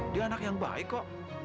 dia anak yang baik kok